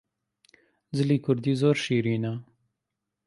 جلی کوردی زۆر شیرینە